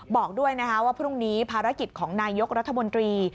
บอกด้วยนะคะว่าพรุ่งนี้ภารกิจของนายกรัฐมนตรี